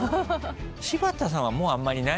柴田さんはもうあんまりないですよね？